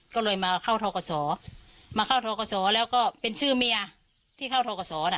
ก็เลยมาเข้าทกศมาเข้าทกศแล้วก็เป็นชื่อเมียที่เข้าทกศน่ะ